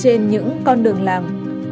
trên những con đường làm